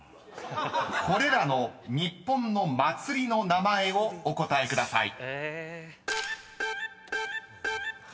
［これらの日本の祭りの名前をお答えください］